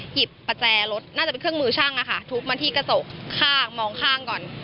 หยิบประแจรถน่าจะเป็นเครื่องมือช่างทุบมาที่กระจกข้างมองข้างก่อน